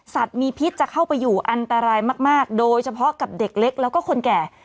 มีพิษจะเข้าไปอยู่อันตรายมากโดยเฉพาะกับเด็กเล็กแล้วก็คนแก่